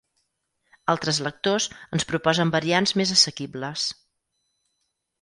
Altres lectors ens proposen variants més assequibles.